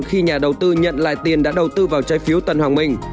khi nhà đầu tư nhận lại tiền đã đầu tư vào trái phiếu tân hoàng minh